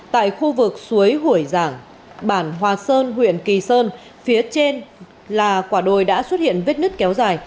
tại khu vực suối hủy giảng bản hòa sơn huyện kỳ sơn phía trên là quả đồi đã xuất hiện vết nứt kéo dài